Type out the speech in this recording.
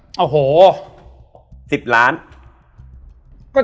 อ๋อพ่ออันตราย๑๐ล้านทรัพย์